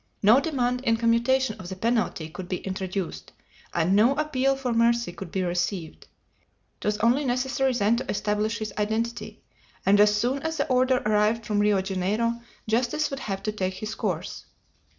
No demand in commutation of the penalty could be introduced, and no appeal for mercy could be received. It was only necessary then to establish his identity, and as soon as the order arrived from Rio Janeiro justice would have to take its course.